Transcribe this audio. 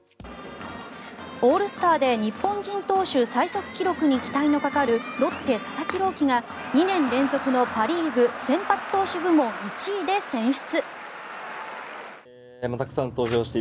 オールスターで日本人投手最速記録に期待のかかるロッテ、佐々木朗希が２年連続のパ・リーグ先発投手部門１位で選出。